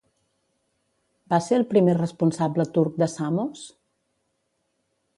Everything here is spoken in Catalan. Va ser el primer responsable turc de Samos?